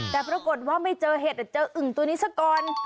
แต่ปรากฏว่าไม่เจอเห็ดแต่เจออึ่งตัวนี้ซะก่อน